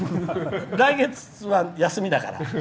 来月は休みだから。